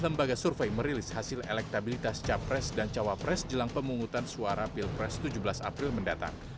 lembaga survei merilis hasil elektabilitas capres dan cawapres jelang pemungutan suara pilpres tujuh belas april mendatang